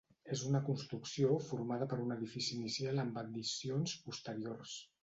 És una construcció formada per un edifici inicial amb addicions posteriors.